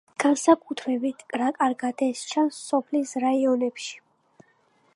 განსაკუთრებით კარგად ეს სჩანს სოფლის რაიონებში.